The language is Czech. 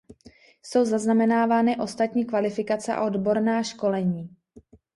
Jsou zaznamenávány ostatní kvalifikace a odborná školení.